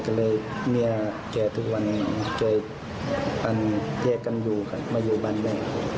ก็เลยเมียแก่ทุกวันเจอกันแยกกันอยู่ครับมาอยู่บ้านแม่